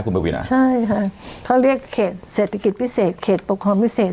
คุณปวีนาใช่ค่ะเขาเรียกเขตเศรษฐกิจพิเศษเขตปกครองพิเศษ